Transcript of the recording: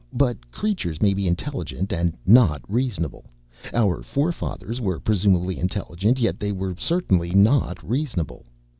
But creatures may be intelligent and not reasonable. Our forefathers were presumably intelligent, yet they were certainly not reasonable.